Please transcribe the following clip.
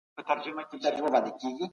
پښتو په اخلاص او صداقت سره زده کړه.